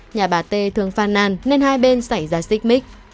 nhà bà t thường phan nàn nên hai bên xảy ra xích mít